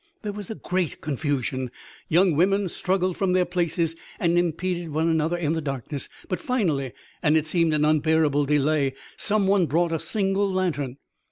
There was a great confusion. Young women struggled from their places and impeded one another in the darkness; but finally, and it seemed an unbearable delay, someone brought a single lantern.